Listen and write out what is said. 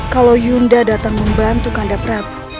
kalau yunda datang membantu kandap prabu